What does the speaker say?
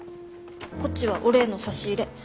こっちはお礼の差し入れ。